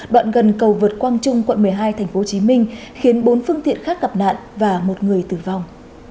đoạn gần cầu vượt quang trung quận một mươi hai tp hcm khiến bốn phương tiện khác gặp nạn và một người tử vong